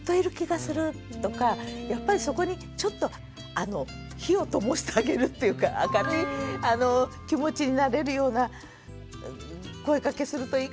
やっぱりそこにちょっと火をともしてあげるっていうか明るい気持ちになれるような声かけするといいかなって私は思いますけどね。